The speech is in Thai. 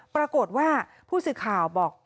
ปรากฏว่าผู้สื่อข่าวบอก